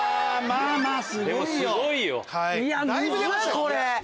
これ。